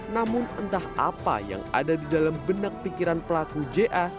namun entah apa yang ada di dalam benak pikiran pelaku ja